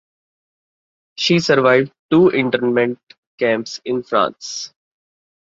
She survived two internment camps in France.